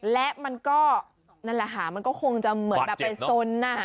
และมันก็นั่นแหละค่ะมันก็คงจะเหมือนแบบไปสน